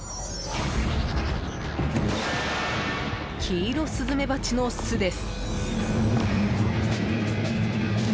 キイロスズメバチの巣です。